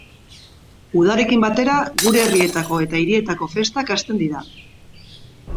Udarekin batera gure herrietako eta hirietako festak hasten dira.